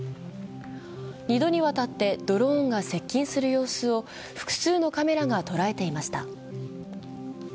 ２度にわたってドローンが接近する様子を複数のカメラが捉えていました。